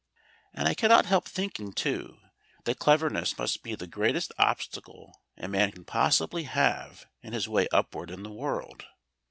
And I cannot help thinking, too, that cleverness must be the greatest obstacle a man can possibly have in his way upward in the world.